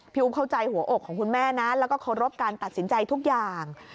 อุ๊บเข้าใจหัวอกของคุณแม่นะแล้วก็เคารพการตัดสินใจทุกอย่าง